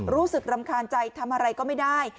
รู้สึกรำคาญใจทำอะไรก็ไม่ได้